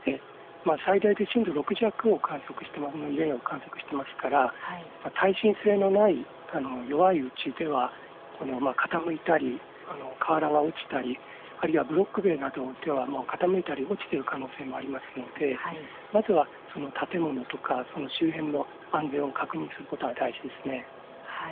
最大で震度６弱の揺れを観測していますから耐震性のない弱いうちというのは傾いたり瓦が落ちたり、あるいはブロック塀などが傾いたり落ちたりしている可能性もありますのでまずはその建物とか周辺の安全を確認することが大切です。